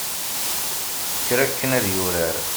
kker akken ad yurar